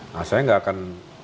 nah saya gak akan